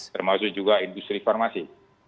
termasuk juga industri farmasi